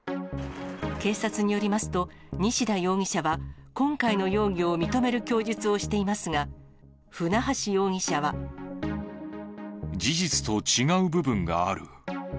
警察によりますと、西田容疑者は今回の容疑を認める供述をしていますが、事実と違う部分がある。